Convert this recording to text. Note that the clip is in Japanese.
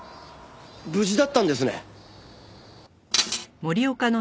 無事だったんですね。